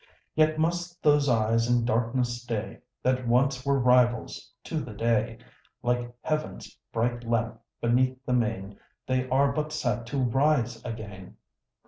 Yet must those eyes in darkness stay, That once were rivals to the day? Like heaven's bright lamp beneath the main They are but set to rise again.